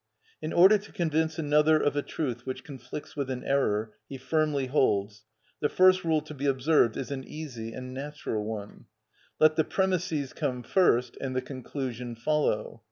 In order to convince another of a truth which conflicts with an error he firmly holds, the first rule to be observed, is an easy and natural one: let the premisses come first, and the conclusion follow.